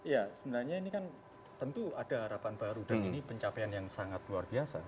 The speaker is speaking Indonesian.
ya sebenarnya ini kan tentu ada harapan baru dan ini pencapaian yang sangat luar biasa